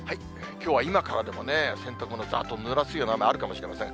きょうは今からでも洗濯物、ざーっとぬらすような雨あるかもしれません。